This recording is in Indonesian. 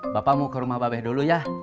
bapak mau ke rumah babe dulu ya